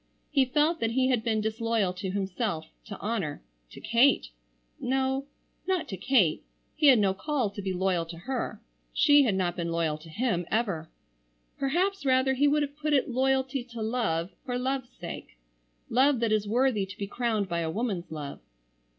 He felt that he had been disloyal to himself, to honor,—to Kate—no—not to Kate, he had no call to be loyal to her. She had not been loyal to him ever. Perhaps rather he would have put it loyalty to Love for Love's sake, love that is worthy to be crowned by a woman's love.